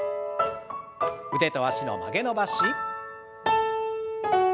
腕と脚の曲げ伸ばし。